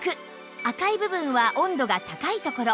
赤い部分は温度が高いところ